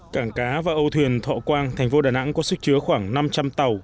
cảng cá và âu thuyền thọ quang thành phố đà nẵng có sức chứa khoảng năm trăm linh tàu